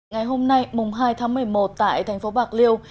ngày hôm nay mùng hai tháng một mươi một tại tp bạc liêu